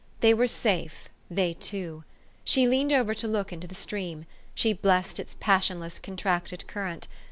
They were safe, they two. She leaned over to look into the stream : she blessed its passionless, contracted cur rent.